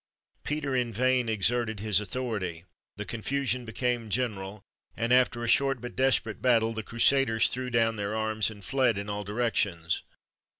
Peter in vain exerted his authority; the confusion became general, and after a short but desperate battle, the Crusaders threw down their arms, and fled in all directions.